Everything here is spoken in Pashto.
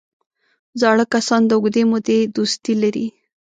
زاړه کسان د اوږدې مودې دوستي لري